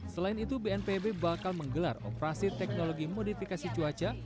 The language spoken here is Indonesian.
selain itu bnpb bakal menggelar operasi teknologi modifikasi cuaca